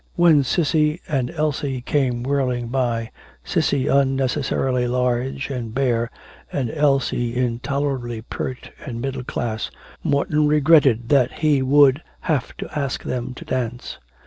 When Cissy and Elsie came whirling by, Cissy unnecessarily large and bare, and Elsie intolerably pert and middle class, Morton regretted that he would have to ask them to dance.